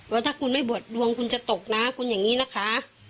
ว่าถ้าคุณไม่บวชดวงคุณจะตกนะคุณอย่างนี้นะคะ